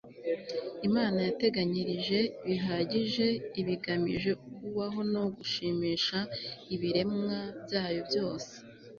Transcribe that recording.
imana yateganyirije bihagije ibigamije ukubaho no gushimisha ibiremwa byayo byose